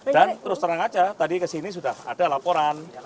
dan terus terang saja tadi ke sini sudah ada laporan